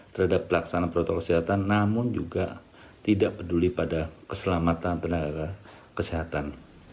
terhadap pelaksanaan protokol kesehatan namun juga tidak peduli pada keselamatan tenaga kesehatan